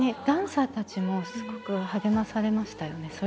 ダンサーたちもすごく励まされましたよね。